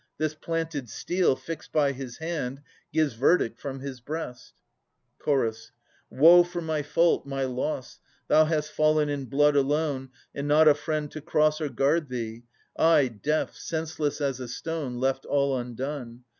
This planted steel, Fixed by his hand, gives verdict from his breast. Ch. Woe for my fault, my loss! Thou hast fallen in blood alone. And not a friend to cross Or guard thee. I, deaf, senseless as a stone. Left all undone.